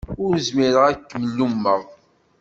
Ur zmireɣ ad kem-lummeɣ.